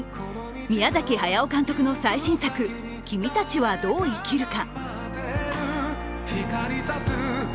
宮崎駿監督の最新作「君たちはどう生きるか」。